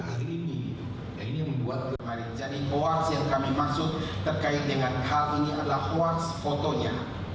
jadi hoaks yang kami maksud terkait dengan hal ini adalah hoaks fotonya